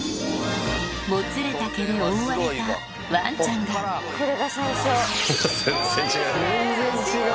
もつれた毛で覆われたワンちゃんが全然違う。